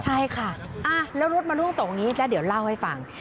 ใช่ค่ะแล้วรถมันล่วงตกอย่างนี้แล้วเดี๋ยวเล่าให้ฟัง